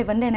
là phần lớn